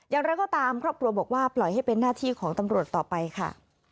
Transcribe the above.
อย่างไรก็ตามครอบครัวบอกว่าปล่อยให้เป็นหน้าที่ของตำรวจต่อไปค่ะ